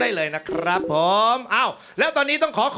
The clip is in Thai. ออกออกออกออกออกออกออกออกออกออก